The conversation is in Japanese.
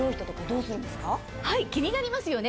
気になりますよね。